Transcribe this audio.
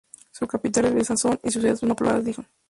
Su capital es Besanzón y su ciudad más poblada es Dijon.